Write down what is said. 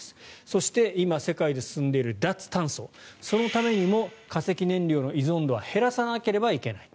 そして、今世界で進んでいる脱炭素そのためにも化石燃料の依存度は減らさなければいけない。